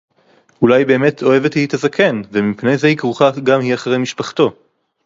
אולי באמת אוהבת היא את הזקֵן, ומפני זה כרוכה היא גם אחרי משפחתו?